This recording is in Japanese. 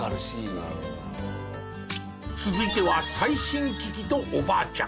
続いては最新機器とおばあちゃん。